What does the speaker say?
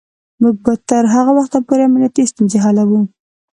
موږ به تر هغه وخته پورې امنیتی ستونزې حلوو.